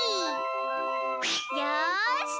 よし！